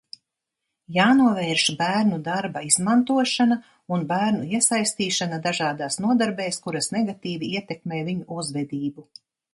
Jānovērš bērnu darba izmantošana un bērnu iesaistīšana dažādās nodarbēs, kuras negatīvi ietekmē viņu uzvedību.